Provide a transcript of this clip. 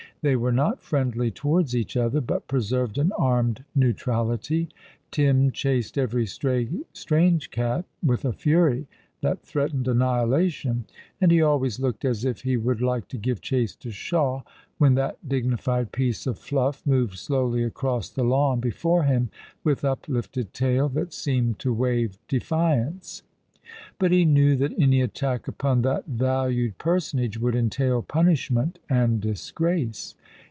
Tl' 3y were not friendly towards each other, but preserved an armed neutrality. Tim chased every stray strange cat with a fury that threatened annihilation ; and he always looked as if he would like to give chase to Shah, when that dignified piece of fluff moved slowly across the lawn before him with up lifted tail that seemed to wave defiance ; but he knew that any attack upon that valued personage would entail punish ment and disgrace.